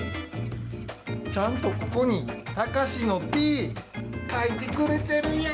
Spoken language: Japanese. ちゃんとここに、タカシのＴ、書いてくれてるやん。